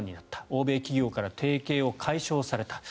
欧米企業から提携を解消された。